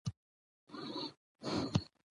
عمر ورته په ژړا شو او ورته کړه یې: که د الله خوښه وه